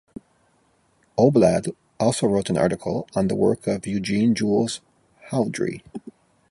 Oblad also wrote an article on the work of Eugene Jules Houdry.